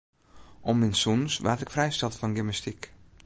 Om myn sûnens waard ik frijsteld fan gymnastyk.